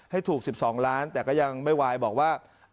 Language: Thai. ให้ถูก๑๒ล้านแต่ก็ยังไม่วายบอกว่า